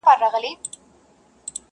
ږغ ته د زمري به د ګیدړو ټولۍ څه وايی-